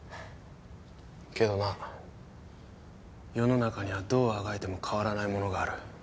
けどな世の中にはどうあがいても変わらないものがある。